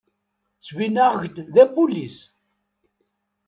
Ttbineɣ-ak-d d apulis?